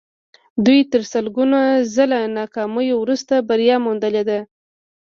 دوی تر سلګونه ځله ناکامیو وروسته بریا موندلې ده